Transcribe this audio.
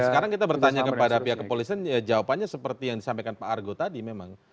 sekarang kita bertanya kepada pihak kepolisian jawabannya seperti yang disampaikan pak argo tadi memang